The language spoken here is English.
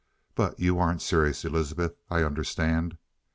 But you aren't serious, Elizabeth; I understand."